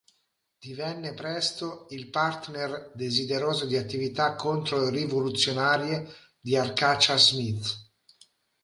Divenne presto il "partner desideroso di attività controrivoluzionarie" di Arcacha Smith.